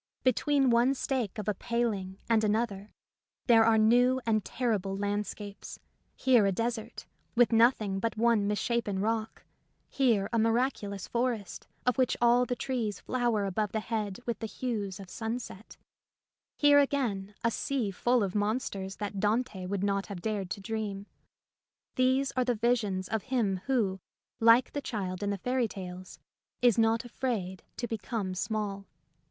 L " I A Defence of Humility tween one stake of a paling and another there are new and terrible landscapes ; here a desert, with nothing but one mis shapen rock; here a miraculous forest, of which all the trees flower above the head with the hues of sunset ; here, again, a sea full of monsters that Dante would not have dared to dream. These are the visions of him who, like the child in the fairy tales, is not afraid to become small.